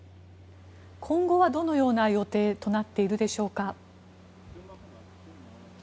今後はどのような予定となっているでしょうか。